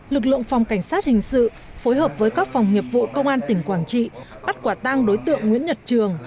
lực lượng phòng cảnh sát hình sự phối hợp với các phòng nghiệp vụ công an tỉnh quảng trị bắt quả tang đối tượng nguyễn nhật trường